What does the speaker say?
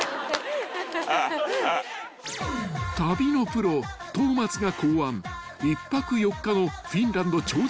［旅のプロ東松が考案１泊４日のフィンランド超絶